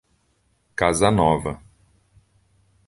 Casa Nova